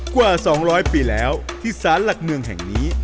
กว่า๒๐๐ปีแล้วที่สารหลักเมืองแห่งนี้